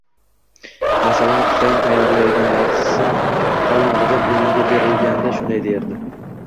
Masalan, Husayin «tayyorlaydigan darsim qolmadi», deb o'yinga berilganda shunday derdi: